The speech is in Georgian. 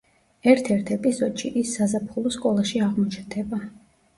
ერთ-ერთ ეპიზოდში, ის საზაფხულო სკოლაში აღმოჩნდება.